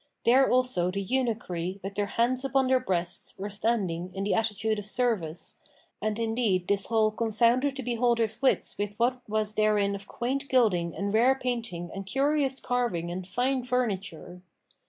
There also the eunuchry, with their hands upon their breasts,[FN#507] were standing in the attitude of service, and indeed this hall confounded the beholder's wits with what was therein of quaint gilding and rare painting and curious carving and fine furniture.